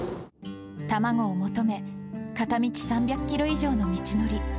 卵を求め、片道３００キロ以上の道のり。